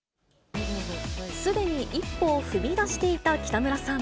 すでに一歩を踏み出していた北村さん。